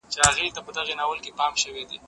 هغه څوک چي کار کوي منظم وي!